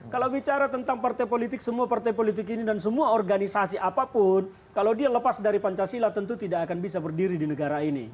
kalau bicara tentang partai politik semua partai politik ini dan semua organisasi apapun kalau dia lepas dari pancasila tentu tidak akan bisa berdiri di negara ini